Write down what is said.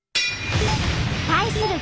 対する